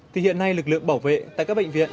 thì hiện nay lực lượng bảo vệ tại các bệnh viện